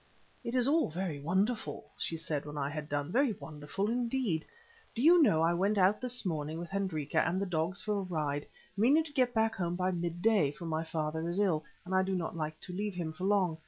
"It is all very wonderful," she said when I had done, "very wonderful indeed. Do you know I went out this morning with Hendrika and the dogs for a ride, meaning to get back home by mid day, for my father is ill, and I do not like to leave him for long.